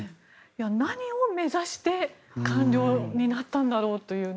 何を目指して官僚になったんだろうというね。